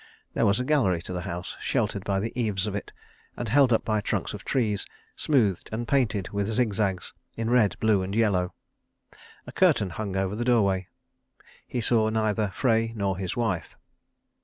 There was a gallery to the house sheltered by the eaves of it, and held up by trunks of trees, smoothed and painted with zigzags in red, blue and yellow. A curtain hung over the doorway. He saw neither Frey nor his wife.